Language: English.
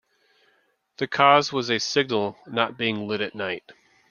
The cause was a signal not being lit at night.